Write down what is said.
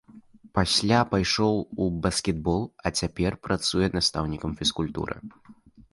Пасля пайшоў у баскетбол, а цяпер працуе настаўнікам фізкультуры.